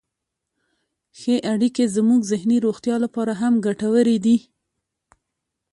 ښې اړیکې زموږ ذهني روغتیا لپاره هم ګټورې دي.